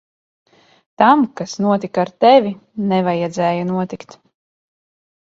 Tam, kas notika ar tevi, nevajadzēja notikt.